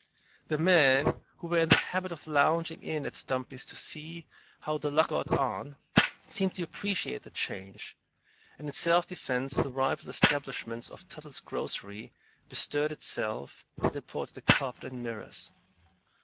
The men who were in the habit of lounging in at Stumpy's to see "how 'The Luck' got on" seemed to appreciate the change, and in self defense the rival establishment of "Tuttle's grocery" bestirred itself and imported a carpet and mirrors.